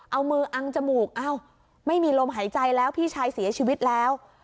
เอามืออังจมูกอ้าวไม่มีลมหายใจแล้วพี่ชายเสียชีวิตแล้ว